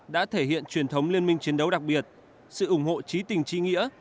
đã thể hiện truyền thống liên minh chiến đấu đặc biệt sự ủng hộ trí tình trí nghĩa